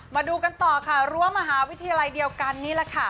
มาดูกันต่อค่ะรั้วมหาวิทยาลัยเดียวกันนี่แหละค่ะ